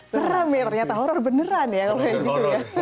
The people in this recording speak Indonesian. serem ya ternyata horror beneran ya kalau ini ya